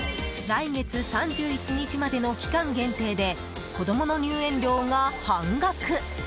来月３１日までの期間限定で子供の入園料が半額。